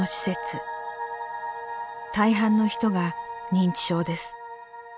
大半の人が認知症です。